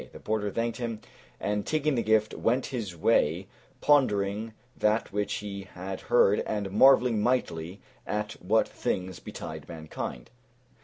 The Porter thanked him, and taking the gift, went his way, pondering that which he had heard and marveling mightily at what things betide mankind.